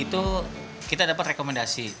itu kita dapat rekomendasi